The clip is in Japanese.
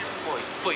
ぽい？